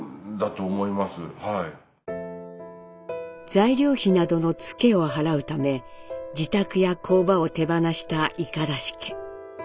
材料費などのツケを払うため自宅や工場を手放した五十嵐家。